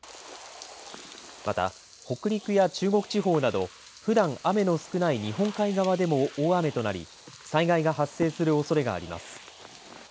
また北陸や中国地方などふだん雨の少ない日本海側でも大雨となり災害が発生するおそれがあります。